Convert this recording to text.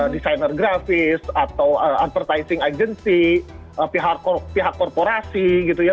desainer grafis atau advertising agency pihak korporasi gitu ya